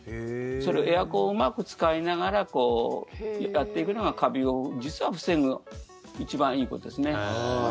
エアコンをうまく使いながらやっていくのが実はカビを防ぐ一番いいことですね。